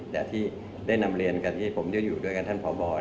แต่ที่ได้นำเรียนกันที่ผมจะอยู่ด้วยกันท่านพบ